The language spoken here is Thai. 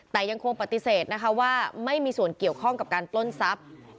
แต่ยังคงปฏิเสธนะคะว่าไม่มีส่วนเกี่ยวข้องกับการปล้นทรัพย์